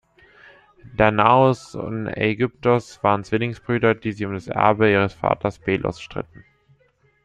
Danaos und Aigyptos waren Zwillingsbrüder, die sich um das Erbe ihres Vaters Belos stritten.